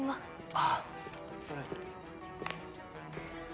ああそれ。